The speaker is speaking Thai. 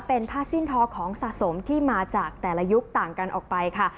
เป็นผ้าสิ้นทอของสะสมที่มาจากแต่ละยุคต่างกันออกไปค่ะ